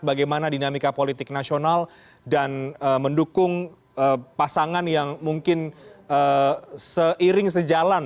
bagaimana dinamika politik nasional dan mendukung pasangan yang mungkin seiring sejalan